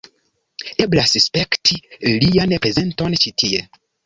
Eblas spekti lian prezenton ĉi tie.